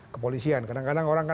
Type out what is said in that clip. kepolisian kadang kadang orang